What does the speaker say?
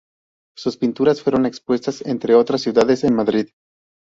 Sus pinturas fueron expuestas entre otras ciudades en Madrid.